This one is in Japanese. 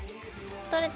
取れた。